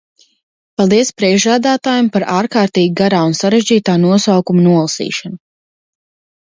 Paldies priekšsēdētājam par ārkārtīgi garā un sarežģītā nosaukuma nolasīšanu.